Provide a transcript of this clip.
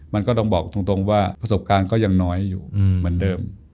มันก็ต้องบอกตรงว่าประสบการณ์ก็ยังน้อยอยู่เหมือนเดิม